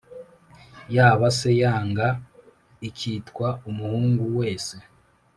yaba se yanga ikitwa umuhungu wese